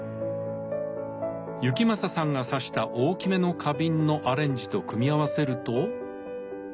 行正さんが挿した大きめの花瓶のアレンジと組み合わせると。